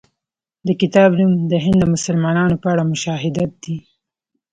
د کتاب نوم د هند د مسلمانانو په اړه مشاهدات دی.